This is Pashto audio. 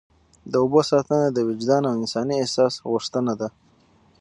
د اوبو ساتنه د وجدان او انساني احساس غوښتنه ده.